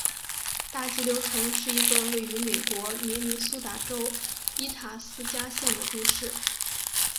大急流城是一个位于美国明尼苏达州伊塔斯加县的都市。